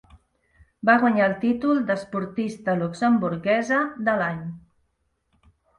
Va guanyar el títol d'esportista luxemburguesa de l'any.